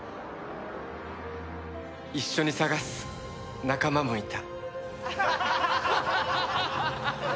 一緒に探す仲間もいた。